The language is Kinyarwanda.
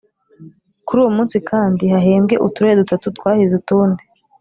Kuri uwo munsi kandi hahembwe Uturere dutatu twahize utundi